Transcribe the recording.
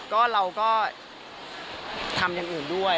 ก็เราก็ทำอย่างอื่นด้วย